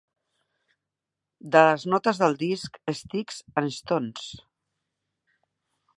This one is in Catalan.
De les notes del disc "Sticks and Stones".